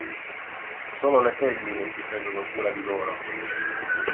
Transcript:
Solo le femmine si prendono cura di loro.